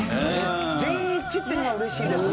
全員一致っていうのが嬉しいですね。